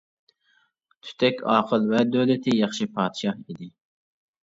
تۈتەك ئاقىل ۋە دۆلىتى ياخشى پادىشاھ ئىدى.